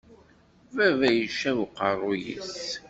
Baba icab uqerru-s.